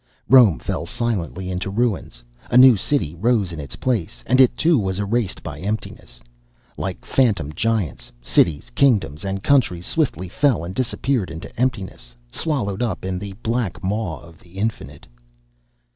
Rome fell silently into ruins. A new city rose in its place, and it too was erased by emptiness. Like phantom giants, cities, kingdoms, and countries swiftly fell and disappeared into emptiness swallowed up in the black maw of the Infinite...